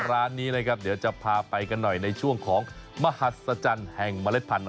ร้านนี้นะครับเดี๋ยวจะพาไปกันหน่อยในช่วงของมหัศจรรย์แห่งเมล็ดพันธุ